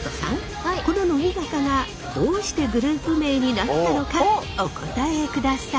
この乃木坂がどうしてグループ名になったのかお答えください。